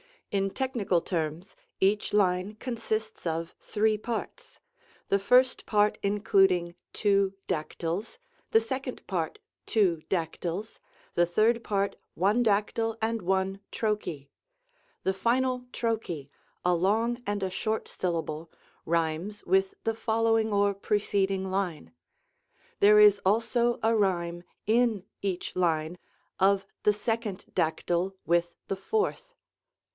In technical terms each line consists of three parts: the first part including two dactyls, the second part two dactyls, the third part one dactyl and one trochee. The final trochee, a long and a short syllable, rhymes with the following or preceding line. There is also a rhyme, in each line, of the second dactyl with the fourth.